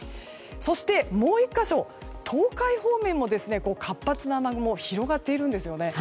そして、もう１か所東海方面も活発な雨雲広がっているんですよね。